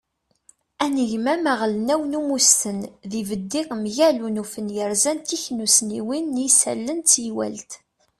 anegmam aɣelnaw n umesten d yibeddi mgal unufen yerzan tiknussniwin n yisallen d teywalt